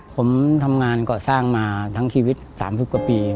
ผมทำงานก่อสร้างมาทั้งชีวิต๓๐กว่าปี